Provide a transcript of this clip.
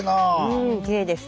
うんきれいです。